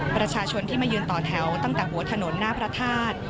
ประชาชนที่มายืนต่อแถวตั้งแต่หัวถนนหน้าพระธาตุ